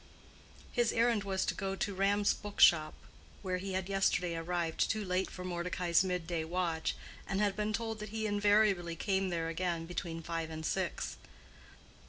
His errand was to go to Ram's book shop, where he had yesterday arrived too late for Mordecai's midday watch, and had been told that he invariably came there again between five and six.